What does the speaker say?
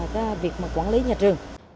cái việc mà quản lý nhà trường